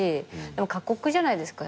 でも過酷じゃないですか。